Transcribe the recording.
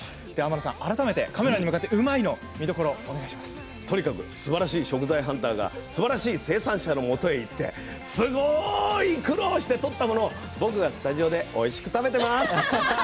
改めてカメラに向かって「うまいッ！」の見どころをすばらしい食材ハンターがすばらしい生産者のところに行ってすごい苦労して取ったものを僕がスタジオでおいしく食べています。